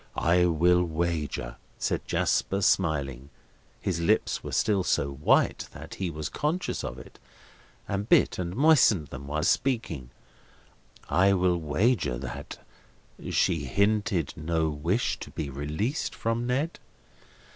"I will wager," said Jasper, smiling—his lips were still so white that he was conscious of it, and bit and moistened them while speaking: "I will wager that she hinted no wish to be released from Ned."